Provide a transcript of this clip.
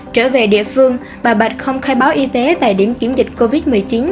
trở về địa phương bà bạch không khai báo y tế tại điểm kiểm dịch covid một mươi chín